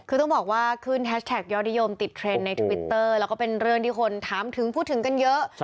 คือต้องบอกว่าขึ้นแฮชแท็กยอดนิยมติดเทรนด์ในทวิตเตอร์แล้วก็เป็นเรื่องที่คนถามถึงพูดถึงกันเยอะ